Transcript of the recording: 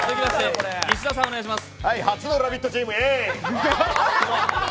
初の「ラヴィット！」チーム、イエイ！